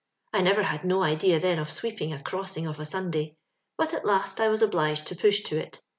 "I never had no idea then of sweeping a crossing of a Sunday; but at last I was obliged to push to it.